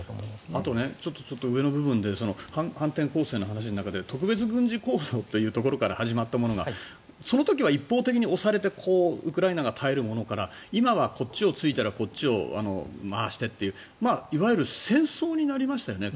あと、ちょっと上の部分で反転攻勢のところで特別軍事行動ということから始まったものがその時は押されてウクライナが耐えるものから今はこっちを突いたらこっちを回してっていういわゆる戦争になりましたよね